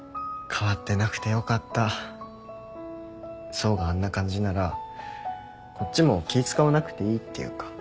想があんな感じならこっちも気使わなくていいっていうか。